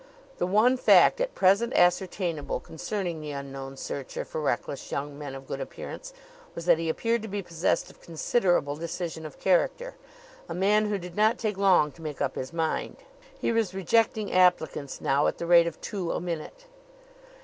The one fact at present ascertainable concerning the unknown searcher for reckless young men of good appearance was that he appeared to be possessed of considerable decision of character, a man who did not take long to make up his mind. He was rejecting applicants now at the rate of two a minute.